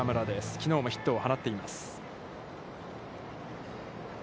きのうもヒットを放っています。